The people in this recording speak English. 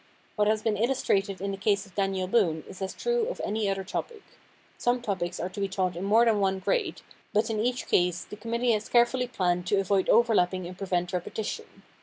What has been illustrated in the case of Daniel Boone is as true of any other topic. Some topics are to be taught in more than one grade, but in each case the committee has carefully planned to avoid overlapping and prevent repetition.